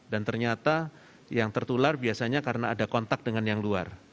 dan ternyata yang tertular biasanya karena ada kontak dengan yang luar